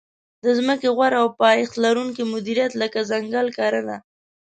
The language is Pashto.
د ځمکې غوره او پایښت لرونکې مدیریت لکه ځنګل کرنه.